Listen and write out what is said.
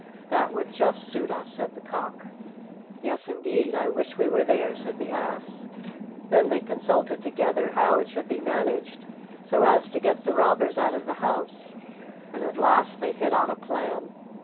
"That would just suit us," said the cock. "Yes, indeed, I wish we were there," said the ass. Then they consulted together how it should be managed so as to get the robbers out of the house, and at last they hit on a plan.